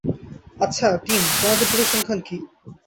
আচ্ছা, টিম, তোমাদের পরিসংখ্যান কী?